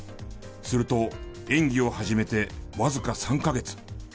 すると演技を始めてわずか３カ月。